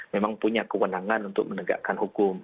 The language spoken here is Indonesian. memang punya kewenangan untuk menegakkan hukum